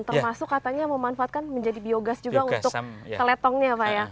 termasuk katanya memanfaatkan menjadi biogas juga untuk keletongnya pak ya